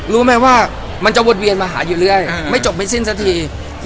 รู้ไหมว่ามันจะวนเวียนมาหาอยู่เรื่อยไม่จบไม่สิ้นสักที